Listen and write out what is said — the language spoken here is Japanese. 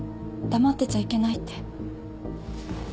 黙ってちゃいけないって。